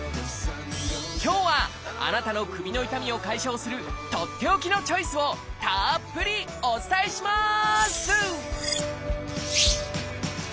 今日はあなたの首の痛みを解消するとっておきのチョイスをたっぷりお伝えします！